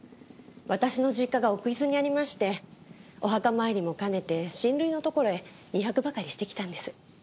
私の実家が奥伊豆にありましてお墓参りも兼ねて親類のところへ２泊ばかりしてきたんです。